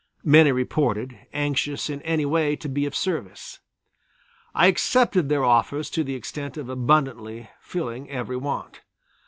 Many reported, anxious in any way to be of service. I accepted their offers to the extent of abundantly filling every want.